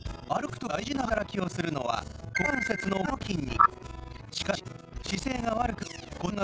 歩くとき大事な働きをするのは股関節の前の筋肉。